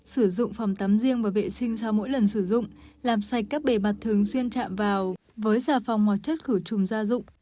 sử dụng phòng tắm riêng và vệ sinh sau mỗi lần sử dụng làm sạch các bề mặt thường xuyên chạm vào với xà phòng hoặc chất khử trùng gia dụng